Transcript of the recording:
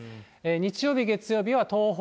日曜日、月曜日は東北、